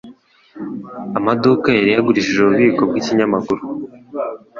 Amaduka yari yagurishije ububiko bwikinyamakuru. (blay_paul)